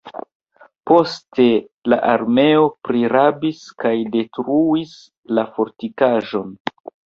Poste la armeo prirabis kaj detruis la fortikaĵon.